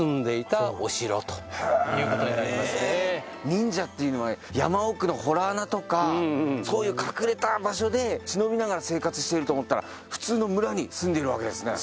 忍者っていうのは山奥の洞穴とか隠れた場所で忍びながら生活していると思ったら普通の村に住んでいるわけですね。